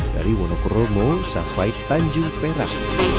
dari wonokromo sampai tanjung perak